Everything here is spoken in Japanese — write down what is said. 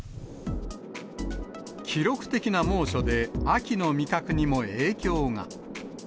記録的な猛暑で、秋の味覚にも影響が。